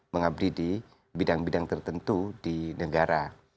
mengabdi di bidang bidang tertentu di negara